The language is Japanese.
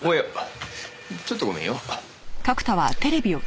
ちょっとごめんよ。